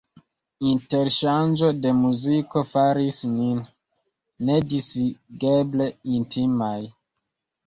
Interŝanĝo de muziko faris nin nedisigeble intimaj.